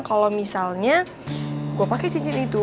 kalo misalnya gue pake cincin itu